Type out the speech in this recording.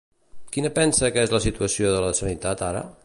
Quina pensa que és la situació de la sanitat ara?